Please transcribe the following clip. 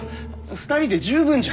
２人で十分じゃ。